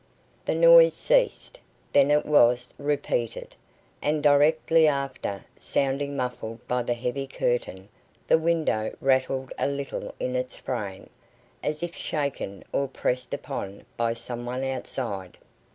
The noise ceased. Then it was repeated, and directly after, sounding muffled by the heavy curtain, the window rattled a little in its frame, as if shaken or pressed upon by some one outside.